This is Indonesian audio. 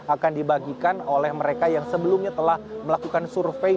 akan dibagikan oleh mereka yang sebelumnya telah melakukan survei